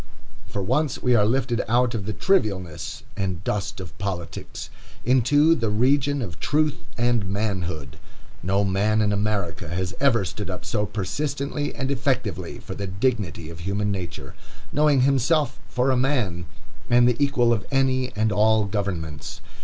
For once we are lifted out of the trivialness and dust of politics into the region of truth and manhood. No man in America has ever stood up so persistently and effectively for the dignity of human nature, knowing himself for a man, and the equal of any and all governments.